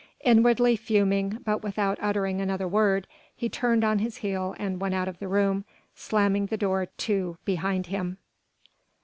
Inwardly fuming but without uttering another word he turned on his heel and went out of the room, slamming the door to behind him.